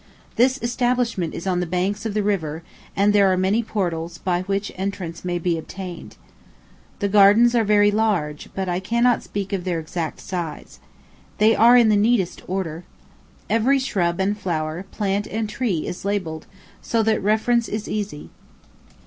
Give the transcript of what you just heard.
This establishment is on the banks of the river, and there are many portals by which entrance may be obtained. The gardens are very large, but I cannot speak of their exact size. They are in the neatest order. Every shrub and flower, plant and tree, is labelled, so that reference is easy.